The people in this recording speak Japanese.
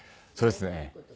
そうですね。